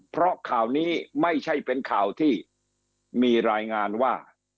เพราะข่าวนี้ไม่ใช่เป็นข่าวที่มีรายงานว่า